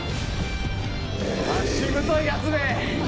しぶといやつめ。